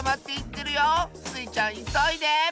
スイちゃんいそいで！